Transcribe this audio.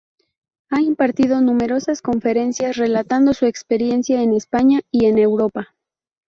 Ha impartido numerosas conferencias relatando su experiencia en España y en Europa.